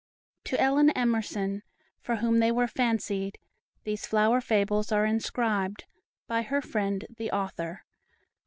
TO ELLEN EMERSON, FOR WHOM THEY WERE FANCIED, THESE FLOWER FABLES ARE INSCRIBED, BY HER FRIEND, THE AUTHOR.